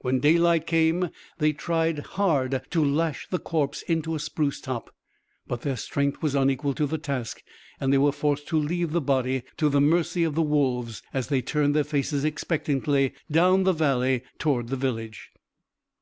When daylight came they tried hard to lash the corpse into a spruce top, but their strength was unequal to the task, and they were forced to leave the body to the mercy of the wolves as they turned their faces expectantly down the valley toward the village.